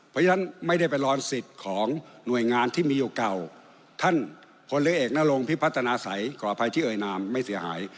เพราะฉะนั้นไม่ได้เป็นรอนสิทธิ์ของหน่วยงานที่มีอยู่เก่า